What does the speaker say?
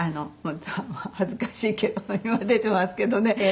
恥ずかしいけど今出てますけどね。